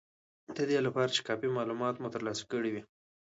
د دې لپاره چې کافي مالومات مو ترلاسه کړي وي